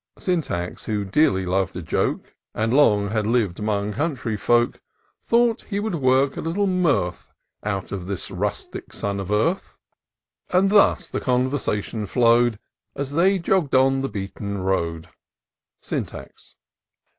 Syntax, who dearly lov'd a joke. And long had liv'd 'mong coimtry folk ; Thought he could work a little mirth Out of this rustic son of earth ; So thus the conversation flow'd. As they jogg'd on the beaten road :— Syntax.